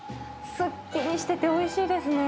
すっきりしてておいしいですね。